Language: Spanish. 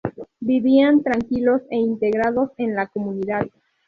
Vivían tranquilos e integrados en la comunidad.